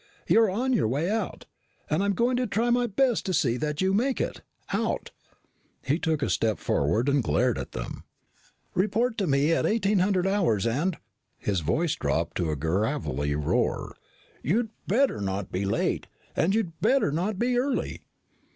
You're on your way out. And I'm going to try my best to see that you make it out." He took a step forward and glared at them. "Report to me at 1800 hours and" his voice dropped to a gravelly roar "you better not be late and you better not be early."